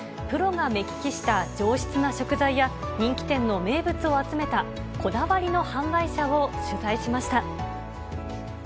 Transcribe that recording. プロが目利きした上質な食材や、人気店の名物を集めた、こだわりの販売車を取材しました。